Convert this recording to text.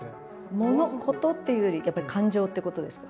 「もの」「こと」っていうよりやっぱり感情っていうことですか？